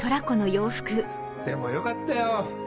でもよかったよ。